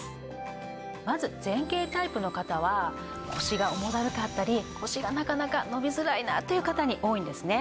まず前傾タイプの方は腰が重だるかったり腰がなかなか伸びづらいなという方に多いんですね。